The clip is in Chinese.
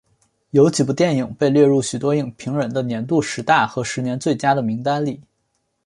有几部电影被列入许多影评人的年度十大和十年最佳的名单里。